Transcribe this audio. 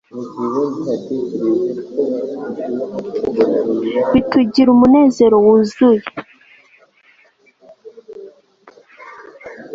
Bitugira umunezero wuzuye